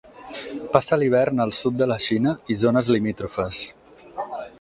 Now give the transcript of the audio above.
Passa l'hivern al sud de la Xina i zones limítrofes.